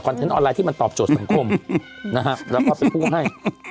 คอนเทนต์ออนไลน์ที่มันตอบโจทย์สังคมแล้วเขาเป็นผู้ให้